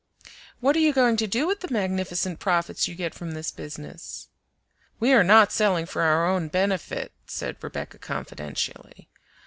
"What are you going to do with the magnificent profits you get from this business?" "We are not selling for our own benefit," said Rebecca confidentially.